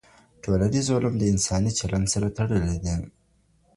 ټولنیز علوم د انساني چلند سره تړلي دي.